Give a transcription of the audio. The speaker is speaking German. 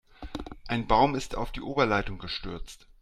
Ein Baum ist auf die Oberleitung gestürzt.